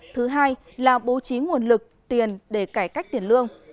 thứ hai là bố trí nguồn lực tiền để cải cách tiền lương